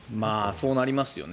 そうなりますよね。